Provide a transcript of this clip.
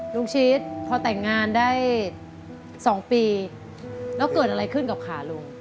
ชีสพแต่งงานได้๒ปีแล้วเกิดอะไรขึ้นกับขาลุง